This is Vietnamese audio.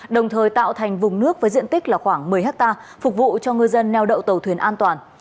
đồng thời tạo thành vùng nước với diện tích khoảng một mươi ha phục vụ cho người dân neo đậu tàu thuyền an toàn